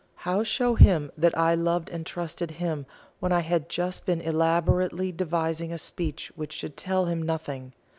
how show him that I loved and trusted him when I had just been elaborately devising a speech which should tell him nothing?